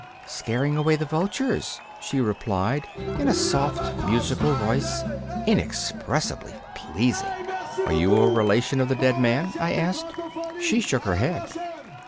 'Scaring away the vultures,' she replied, in a soft, musical voice, inexpressibly pleasing. 'Are you a relation of the dead man?' I asked. She shook her head.